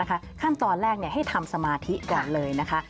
ขั้นตอนแรกให้ทำสมาธิก่อนเลยนะคะ